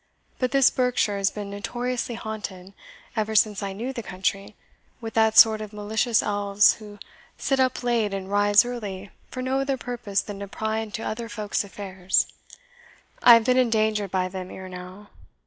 But this Berkshire has been notoriously haunted, ever since I knew the country, with that sort of malicious elves who sit up late and rise early for no other purpose than to pry into other folk's affairs. I have been endangered by them ere now.